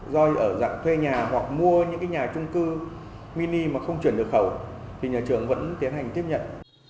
do ở dạng thuê nhà hoặc mua những nhà trung cư mini mà không chuyển được khẩu thì nhà trường vẫn tiến hành tiếp nhận